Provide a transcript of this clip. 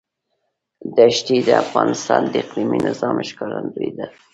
دښتې د افغانستان د اقلیمي نظام ښکارندوی ده.